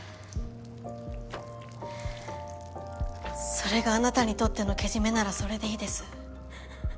それがあなたにとってのけじめならそれでいいです